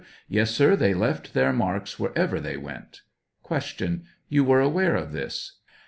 Yes, sir, they left their marks wherever they went. Q. You were aware of this